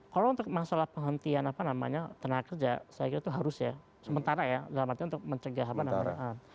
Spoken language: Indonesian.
kalau untuk masalah penghentian apa namanya tenaga kerja saya kira itu harus ya sementara ya dalam arti untuk mencegah apa namanya